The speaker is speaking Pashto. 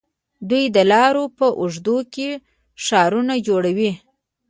دوی د لارو په اوږدو کې ښارونه جوړوي.